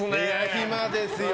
暇ですよ。